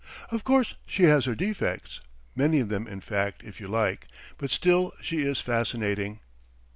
Of course she has her defects many of them, in fact, if you like but still she is fascinating.'